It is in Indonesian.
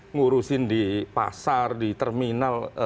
ngurusin di pasar di terminal